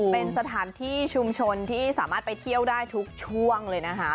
เป็นสถานที่ชุมชนที่สามารถไปเที่ยวได้ทุกช่วงเลยนะคะ